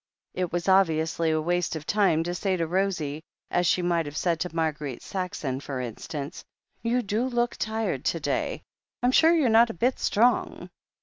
It was obviously waste of time to say to Rosie, as she might have said to Marguerite Saxon, for instance : "You do look tired to day. I'm sure you're not a bit strong."